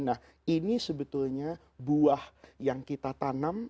nah ini sebetulnya buah yang kita tanam